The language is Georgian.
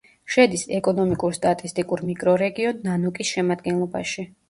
შედის ეკონომიკურ-სტატისტიკურ მიკრორეგიონ ნანუკის შემადგენლობაში.